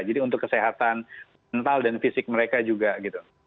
jadi untuk kesehatan mental dan fisik mereka juga gitu